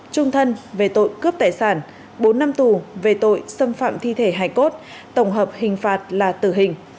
trung thân về tội cướp tài sản bốn năm tù về tội xâm phạm thi thể hải cốt tổng hợp hình phạt là tử hình